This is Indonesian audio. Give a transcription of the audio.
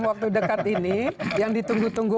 waktu dekat ini yang ditunggu tunggu